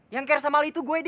yang care sama alitu gue din